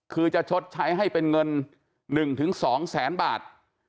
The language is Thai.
คือจะชดใช้ให้เป็นเงิน๑๒แสนบาท